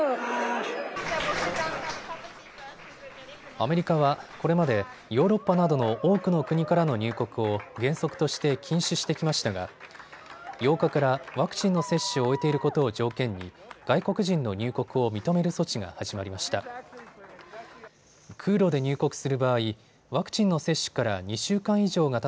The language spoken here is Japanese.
アメリカはこれまでヨーロッパなどの多くの国からの入国を原則として禁止してきましたが８日からワクチンの接種を終えていることを条件に外国人の入国を認める措置が始まりました。